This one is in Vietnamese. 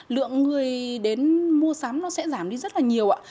lượng người đến mua sắm nó sẽ giảm đi rất là nhiều ạ